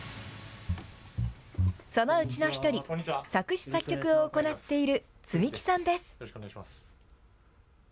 そのうちの１人、作詞作曲を行っているツミキさんです。